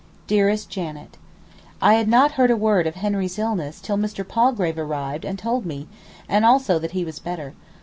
DEAREST JANET, I had not heard a word of Henry's illness till Mr. Palgrave arrived and told me, and also that he was better.